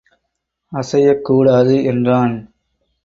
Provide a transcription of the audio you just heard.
அசையக் கூடாது என்றான்.